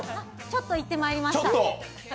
ちょっと行ってまいりました。